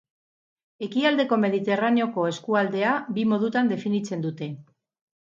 Ekialdeko Mediterraneoko eskualdea bi modutan definitzen dute.